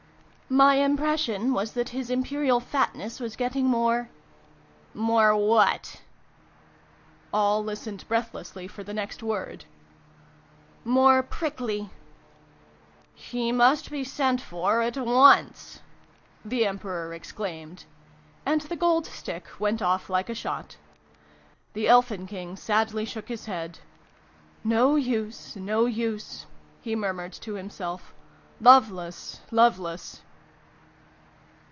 " My impression was that His Imperial Fat ness was getting more " More what ?" All listened breathlessly for the next word. " More PRICKLY !" "He must be sent for at once!" the Em peror exclaimed. And the Gold Stick went off like a shot. The Elfin King sadly shook his head. " No use, no use !" he murmured to himself. " Loveless, loveless